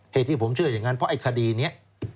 เหตุที่ผมเชื่ออย่างนั้นเพราะไอ้คดีนี้